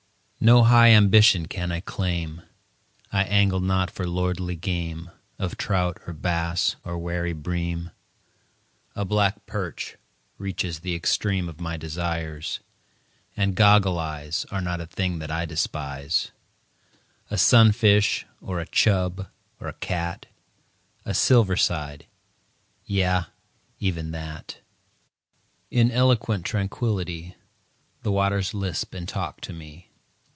No high ambition can I claim I angle not for lordly game Of trout, or bass, or wary bream A black perch reaches the extreme Of my desires; and "goggle eyes" Are not a thing that I despise; A sunfish, or a "chub," or a "cat" A "silver side" yea, even that! In eloquent tranquility The waters lisp and talk to me.